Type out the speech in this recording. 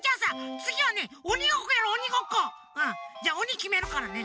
うんじゃあおにきめるからね。